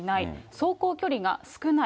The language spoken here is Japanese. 走行距離が少ない。